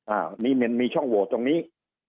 อันนี้มีช่วงโวทต์ตรงนี้